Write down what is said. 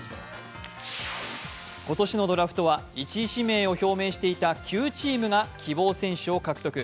今年のドラフトは１位指名を表明していた９チームが獲得。